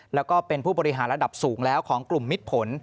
แล้วก็เป็นผู้บริหารระดับสูงแล้วของกลุ่มมิดผล